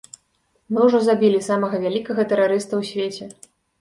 Мы ўжо забілі самага вялікага тэрарыста ў свеце.